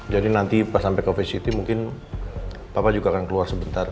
jadi nanti pas sampai coffee city mungkin papa juga akan keluar sebentar